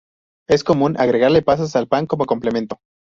Es común agregarle pasas al pan como complemento.